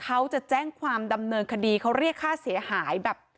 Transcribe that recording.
เขาจะแจ้งความดำเนินคดีเขาเรียกค่าเสียหายแบบ